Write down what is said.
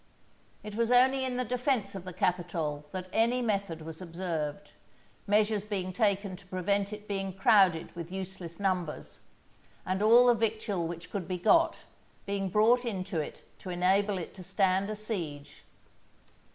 It was only in the defence of the Capitol that any method was observed, measures being taken to prevent it being crowded with useless numbers, and all the victual which could be got, being brought into it to enable it to stand a siege.